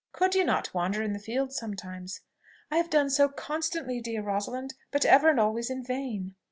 Could you not wander in the fields sometimes?" "I have done so constantly, dear Rosalind; but ever and always in vain."